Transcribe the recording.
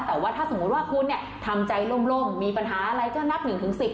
แต่ว่าถ้าสมมุติว่าคุณเนี่ยทำใจล่มมีปัญหาอะไรก็นับ๑๑๐